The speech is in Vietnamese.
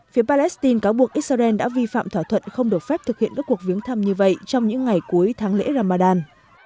phía palestine cáo buộc israel đã vi phạm thỏa thuận không được phép thực hiện các cuộc viếng thăm như vậy trong những ngày cuối tháng lễ ramadan